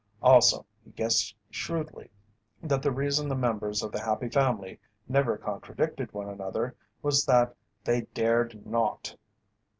Also, he guessed shrewdly that the reason the members of The Happy Family never contradicted one another was that they dared not.